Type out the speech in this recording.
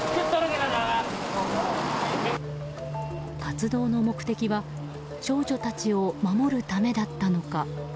活動の目的は少女たちを守るためだったのか。